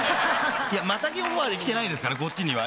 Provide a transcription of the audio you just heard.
いやマタギオファーで来てないですからこっちには。